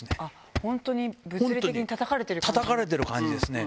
本当に物理的にたたかれてるたたかれてる感じですね。